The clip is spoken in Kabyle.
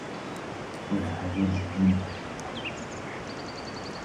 Werɛad ur tefhimemt.